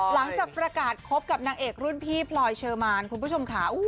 หลังจากประกาศคบกับนางเอกรุ่นพี่พลอยเชอร์มานคุณผู้ชมค่ะ